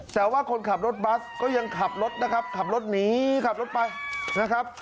แต่ว่าคนขับรถบัสก็ยังขับรถนะครับขับรถหนีขับรถไปนะครับ